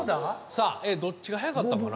さあどっちが早かったかな？